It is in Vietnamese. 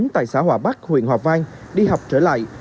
tại xã hòa bắc huyện hòa vang đi học trở lại